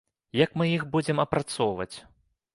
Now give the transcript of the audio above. Як мы іх будзем апрацоўваць?